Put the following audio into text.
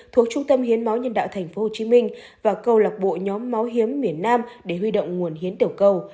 thuộc trung tâm hiến máu nhân đạo tp hcm và câu lạc bộ nhóm máu hiếm miền nam để huy động nguồn hiến tiểu cầu